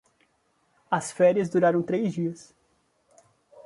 As férias duraram três dias.